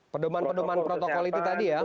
pedoman pedoman protokol itu tadi ya